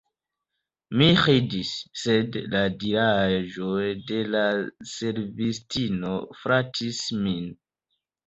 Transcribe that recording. Mi ridis, sed la diraĵo de la servistino flatis min.